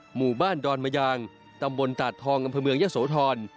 หมู่บ้านดอนมะยางตำบลตาดทองอำเภอเมืองยะโสธร